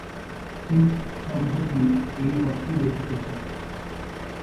ফিকহ শব্দটি এই অর্থেই বেশি প্রসিদ্ধ।